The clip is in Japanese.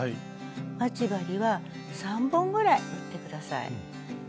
待ち針は３本ぐらい打って下さい。